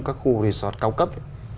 các khu resort cao cấp